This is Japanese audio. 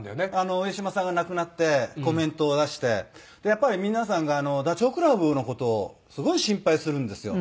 上島さんが亡くなってコメントを出してやっぱり皆さんがダチョウ倶楽部の事をすごい心配するんですよ。